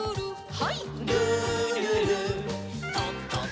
はい。